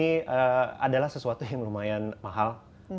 ini adalah sesuatu yang lumayan mahal